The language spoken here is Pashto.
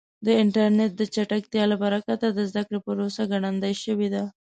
د انټرنیټ د چټکتیا له برکته د زده کړې پروسه ګړندۍ شوې ده.